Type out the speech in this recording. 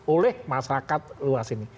oleh masyarakat luas ini